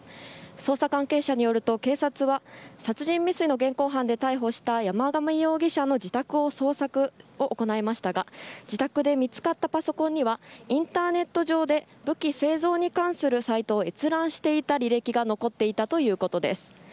捜査関係者によると警察は殺人未遂の現行犯で逮捕した山上容疑者の自宅の捜索を行いましたが自宅で見つかったパソコンにはインターネット上で武器製造に関するサイトを閲覧していた履歴が残っていたということです。